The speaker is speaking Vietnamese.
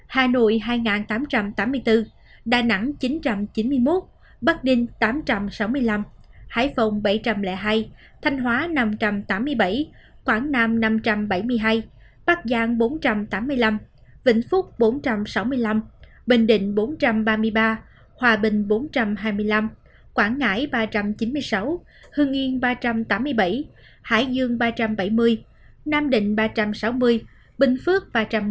hà nội hai tám trăm tám mươi bốn đà nẵng chín trăm chín mươi một bắc đinh tám trăm sáu mươi năm hải phòng bảy trăm linh hai thanh hóa năm trăm tám mươi bảy quảng nam năm trăm bảy mươi hai bắc giang bốn trăm tám mươi năm vĩnh phúc bốn trăm sáu mươi năm bình định bốn trăm ba mươi ba hòa bình bốn trăm hai mươi năm quảng ngãi ba trăm chín mươi sáu hương yên ba trăm tám mươi bảy hải dương ba trăm bảy mươi nam định ba trăm sáu mươi bình phước ba trăm một mươi năm